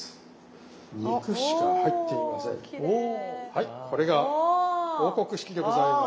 はいこれが王国式でございます。